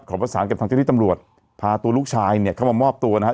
ประสานกับทางเจ้าที่ตำรวจพาตัวลูกชายเนี่ยเข้ามามอบตัวนะครับ